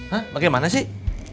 hah bagaimana sih